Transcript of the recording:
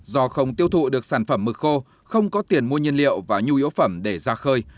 do không tiêu thụ được sản phẩm mực khô không có tiền mua nhiên liệu và nhu yếu phẩm để ra khơi